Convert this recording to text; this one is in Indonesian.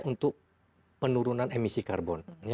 untuk penurunan emisi karbon